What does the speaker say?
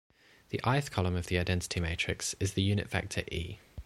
The "i"th column of an identity matrix is the unit vector "e".